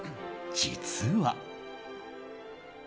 実は。